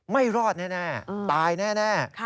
ไม่รอดแน่ตายแน่